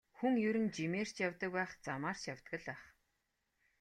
Хүн ер нь жимээр ч явдаг байх, замаар ч явдаг л байх.